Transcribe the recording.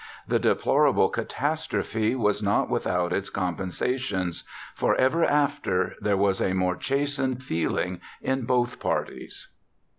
The deplorable catastrophe was not without its compensations, for ever after there was a more chastened feeling in both parties.